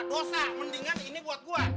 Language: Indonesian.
dosa mendingan ini buat gue